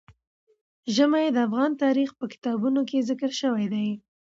ژمی د افغان تاریخ په کتابونو کې ذکر شوی دي.